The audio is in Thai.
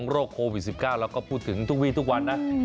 โควิด๑๙เราก็พูดถึงทุกวีทุกวันนะ